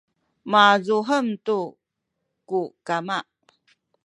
mazuhem tu ku kama